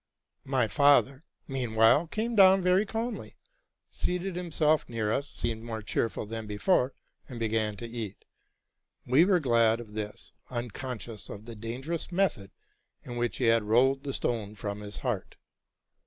"4 My father, meanwhile, came down very calmly, seated himself near us, seemed more cheerful than before, and began to eat. We were glad of this, unconscious of the dangerous method in which he had rolled the stone from his heart.